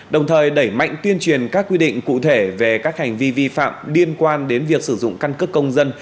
đồng thời đẩy mạnh tuyên truyền các quy định cụ thể về các hành vi vi phạm liên quan đến việc sử dụng căn cước công dân